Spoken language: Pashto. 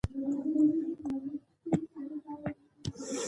وسله سترګې وځي